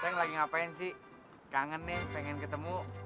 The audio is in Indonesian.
sayang lagi ngapain sih kangen nih pengen ketemu